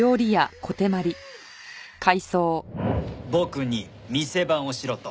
僕に店番をしろと？